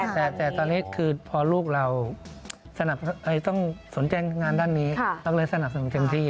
แต่ตอนนี้คือพอลูกเราต้องสนใจงานด้านนี้เราเลยสนับสนุนเต็มที่